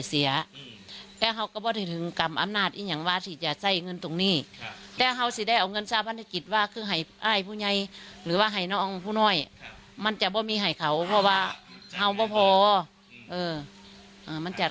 เออมันจัดงานหมด